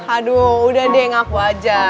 aduh udah deh ngaku aja